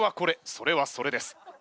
それはそれです。